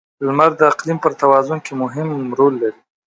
• لمر د اقلیم پر توازن کې مهم رول لري.